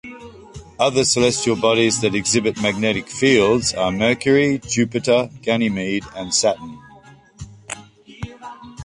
Other celestial bodies that exhibit magnetic fields are Mercury, Jupiter, Ganymede, and Saturn.